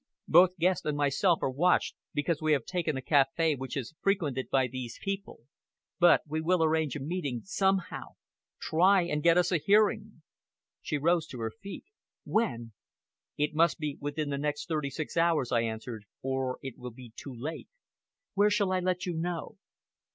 Both Guest and myself are watched, because we have taken a café which is frequented by these people, but we will arrange a meeting, somehow. Try and get us a hearing." She rose to her feet. "When?" "It must be within the next thirty six hours," I answered, "or it will be too late." "Where shall I let you know?"